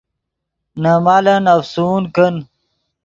نے مالن افسون کن